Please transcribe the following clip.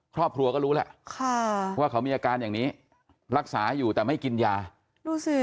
ครอบครัวก็รู้แหละค่ะว่าเขามีอาการอย่างนี้รักษาอยู่แต่ไม่กินยาดูสิ